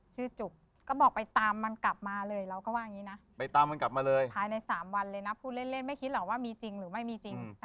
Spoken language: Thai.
ชื่อจุบก็บอกไปตามมันกลับมาเลยเราก็ว่าอย่างนี้นะ